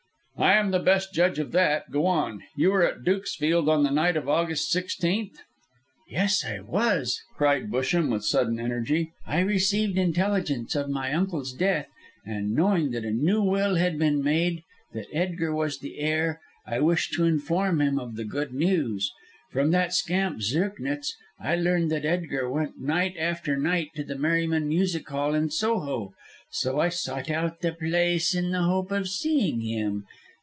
"I am the best judge of that; go on. You were at Dukesfield on the night of August 16th?" "Yes, I was," cried Busham, with sudden energy. "I received intelligence of my uncle's death, and knowing that a new will had been made, that Edgar was the heir, I wished to inform him of the good news. From that scamp, Zirknitz, I learnt that Edgar went night after night to the Merryman Music Hall in Soho, so I sought out that place in the hope of seeing him.